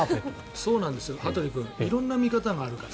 そうなんだよ、羽鳥君色々な見方があるから。